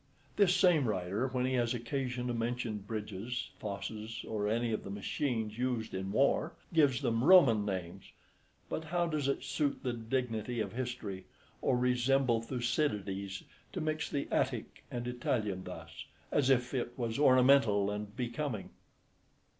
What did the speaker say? This same writer, when he has occasion to mention bridges, fosses, or any of the machines used in war, gives them Roman names; but how does it suit the dignity of history, or resemble Thucydides, to mix the Attic and Italian thus, as if it was ornamental and becoming?